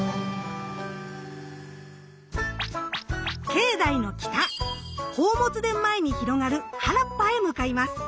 境内の北宝物殿前に広がる原っぱへ向かいます。